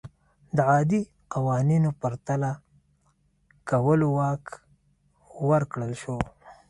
د عادي قوانینو پرتله کولو واک ورکړل شو.